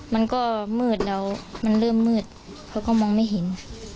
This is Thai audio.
มันก็มืดแล้วมันเริ่มมืดเพราะเขามองไม่เห็น